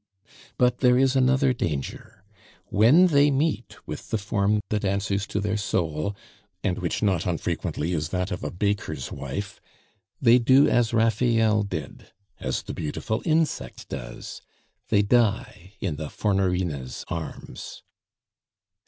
But there is another danger! When they meet with the form that answers to their soul, and which not unfrequently is that of a baker's wife, they do as Raphael did, as the beautiful insect does, they die in the Fornarina's arms.